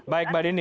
baik bapak dini